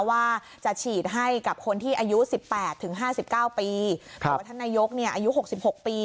ว่าจะฉีดให้กับคนที่อายุ๑๘๕๙ปีเพราะว่าท่านนายกอายุ๖๖ปี